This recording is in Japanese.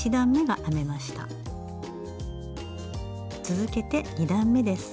続けて２段めです。